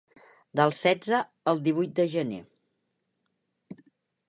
Del setze al divuit de gener.